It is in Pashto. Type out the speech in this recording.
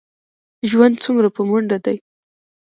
ژوند څومره په منډه دی.